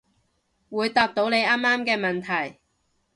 會答到你啱啱嘅問題